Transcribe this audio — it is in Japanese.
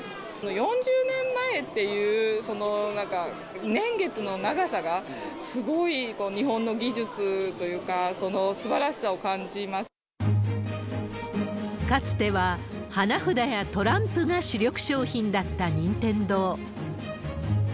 ４０年前っていう、そのなんか、年月の長さがすごい日本の技術というか、かつては、花札やトランプが主力商品だった任天堂。